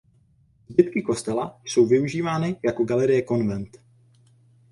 Zbytky kostela jsou využívány jako Galerie Konvent.